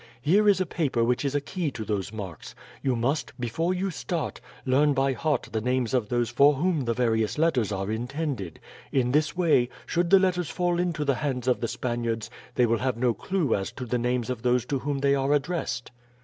Here is a paper which is a key to those marks. You must, before you start, learn by heart the names of those for whom the various letters are intended. In this way, should the letters fall into the hands of the Spaniards, they will have no clue as to the names of those to whom they are addressed.